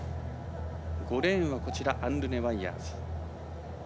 ５レーンはアンルネ・ワイヤーズ。